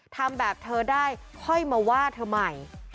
ทำแบบเธอได้ค่อยมาว่าเธอใหม่